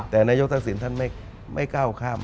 แต่นายกทักษิณท่านไม่ก้าวข้าม